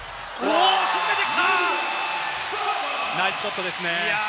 ナイスショットですね。